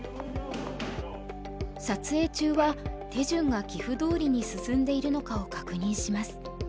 撮影中は手順が棋譜どおりに進んでいるのかを確認します。